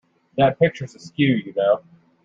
That picture's askew, you know.